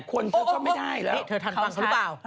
คนเธอชอบไม่ได้แล้ว